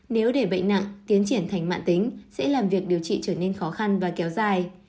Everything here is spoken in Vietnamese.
nếu để bệnh nặng tiến triển thành mạng tính sẽ làm việc điều trị trở nên khó khăn và kéo dài